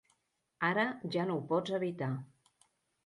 Ara ja no ho pots evitar.